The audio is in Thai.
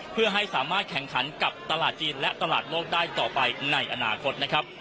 เพื่อให้สามารถแข่งขันกับตลาดจีนและตลาดโลกได้ต่อไปในอนาคตนะครับ